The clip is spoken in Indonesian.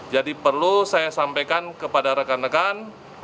jadi perlu saya sampaikan kepada rekan rekan